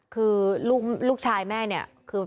คือลูกชายแม่เนี่ยคือ